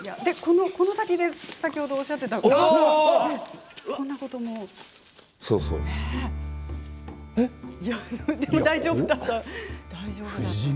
この先で先ほどおっしゃっていた不死身。